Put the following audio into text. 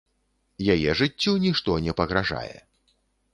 Яе жыццю нішто не пагражае.